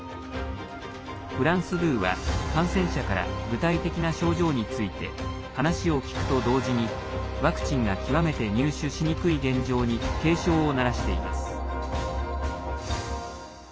フランス２は感染者から具体的な症状について話を聞くと同時にワクチンが極めて入手しにくい現状に警鐘を鳴らしています。